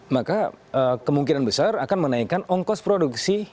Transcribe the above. maka kemungkinan besar akan menaikkan ongkos produksi